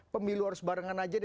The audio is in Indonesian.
pemilu harus barengan aja